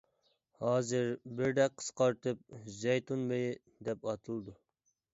ھازىر بىردەك قىسقارتىلىپ «زەيتۇن مېيى» دەپ ئاتىلىدۇ.